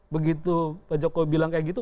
begitu pak jokowi bilang kayak gitu